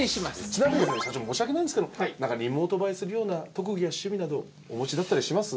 ちなみに社長申し訳ないんですけども何かリモート映えするような特技や趣味などお持ちだったりします？